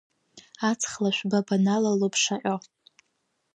Аҵх лашә ба баналало бшаҟьо.